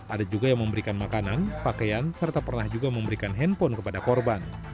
ada juga yang memberikan makanan pakaian serta pernah juga memberikan handphone kepada korban